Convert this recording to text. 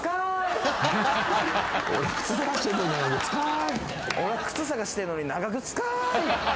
「俺靴捜してんのに長靴かーい」